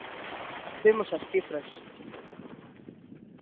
Vemos as cifras.